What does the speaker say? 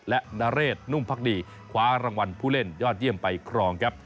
และนเรศนุ่มพักดีคว้ารางวัลผู้เล่นยอดเยี่ยมไปครองครับ